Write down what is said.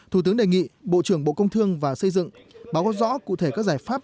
thủ tướng đề nghị bộ trưởng bộ công thương và xây dựng báo cáo rõ cụ thể các giải pháp